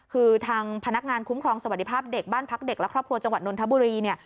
คือทางพนักงานคุ้มครองสวัสดิภาพเด็กบ้านพักเด็กและครอบครัวจังหวัดนนทบุรีเนี่ย